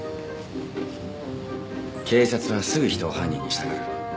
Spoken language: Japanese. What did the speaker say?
警察はすぐ人を犯人にしたがる。